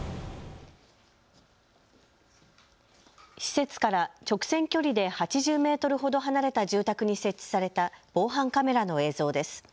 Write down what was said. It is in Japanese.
施設から直線距離で８０メートルほど離れた住宅に設置された防犯カメラの映像です。